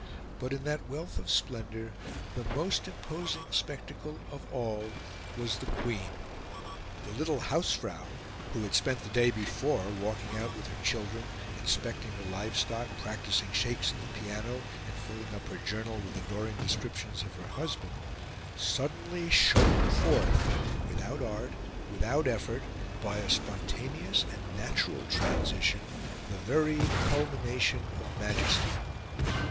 But, in that wealth of splendour, the most imposing spectacle of all was the Queen. The little hausfrau, who had spent the day before walking out with her children, inspecting her livestock, practicing shakes at the piano, and filling up her journal with adoring descriptions of her husband, suddenly shone forth, without art, without effort, by a spontaneous and natural transition, the very culmination of Majesty.